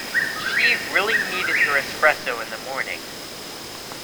She really needed her espresso in the morning.